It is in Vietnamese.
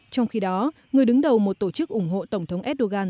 trong khi đó người đứng đầu một tổ chức ủng hộ tổng thống erdogan